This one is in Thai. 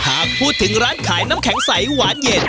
หากพูดถึงร้านขายน้ำแข็งใสหวานเย็น